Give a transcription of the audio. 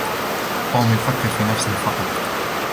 توم يفكر في نفسه فقط.